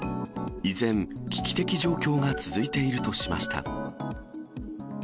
依然、危機的状況が続いているとしました。